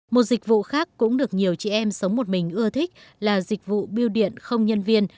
một dịch vụ khác cũng được nhiều chị em sống một mình ưa thích là dịch vụ biêu điện không nhân viên